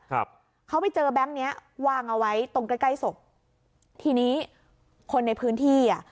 ครับเขาไปเจอแบงค์เนี้ยวางเอาไว้ตรงใกล้ใกล้ศพทีนี้คนในพื้นที่อ่ะ